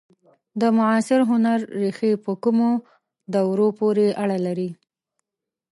د معاصر هنر ریښې په کومو دورو پورې اړه لري؟